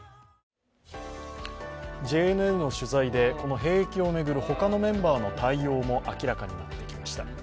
ＪＮＮの取材で、この兵役を巡る他のメンバーの対応も明らかになってきました。